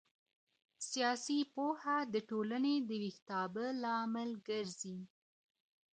سياسي پوهه د ټولني د ويښتابه لامل ګرځي.